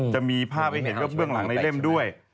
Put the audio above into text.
จะมีภาพให้เห็นว่าเบื้องหลังในเล่มด้วย